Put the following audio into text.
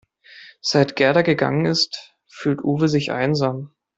Seit Gerda gegangen ist, fühlt Uwe sich einsam.